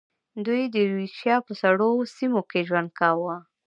دوی د یوریشیا په سړو سیمو کې ژوند کاوه.